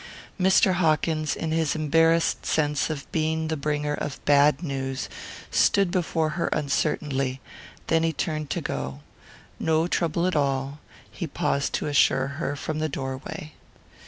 Mr. Hawkins, in his embarrassed sense of being the bringer of bad news, stood before her uncertainly; then he turned to go. "No trouble at all," he paused to assure her from the doorway.